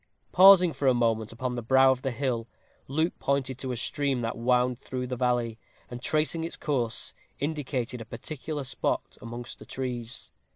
Pausing for a moment upon the brow of the hill, Luke pointed to a stream that wound through the valley, and, tracing its course, indicated a particular spot amongst the trees.